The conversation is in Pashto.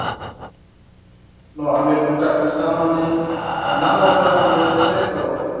نو امیر پر کافرستان باندې د ناڅاپي حملې پرېکړه وکړه.